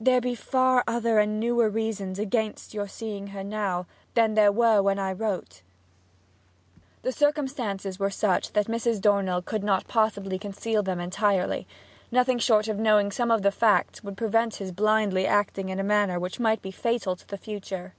'There be far other and newer reasons against your seeing her now than there were when I wrote.' The circumstances were such that Mrs. Dornell could not possibly conceal them entirely; nothing short of knowing some of the facts would prevent his blindly acting in a manner which might be fatal to the future.